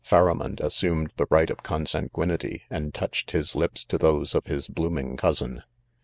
'Pharamond assume d the right ■ of con sanguinity, and touched his lips to those of Ms bio oming cousin.